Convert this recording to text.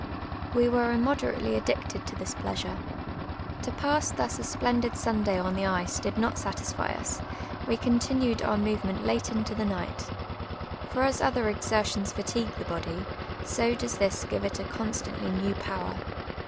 We were immoderately addicted to tlus pleasure. To pass thus a splendid Sunday on the ice did not satisfy us, we continued our movement late into the night. For as other exertions fatigue the body, so does this give it a constantly new power.